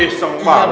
eh seng banget